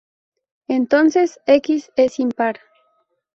Entonces "x" es impar.